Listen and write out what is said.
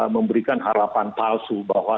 memberikan halapan palsu bahwa